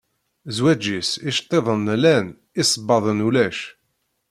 Zwaǧ-is iceṭṭiḍen llan, isebbaḍen ulac.